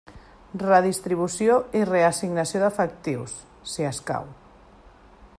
Redistribució i reassignació d'efectius, si escau.